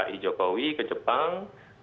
dki jokowi ke jepang